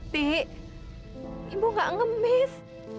dek ibu gak ngemis